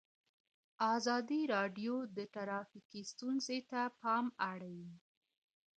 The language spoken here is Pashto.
ازادي راډیو د ټرافیکي ستونزې ته پام اړولی.